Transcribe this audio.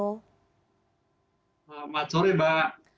selamat sore mbak